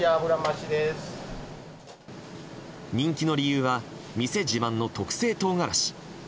人気の理由は店自慢の特製トウガラシ。